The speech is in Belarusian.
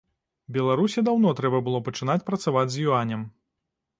Беларусі даўно трэба было пачынаць працаваць з юанем.